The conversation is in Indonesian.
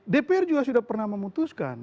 dpr juga sudah pernah memutuskan